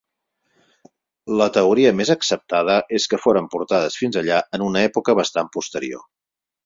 La teoria més acceptada és que foren portades fins allà en una època bastant posterior.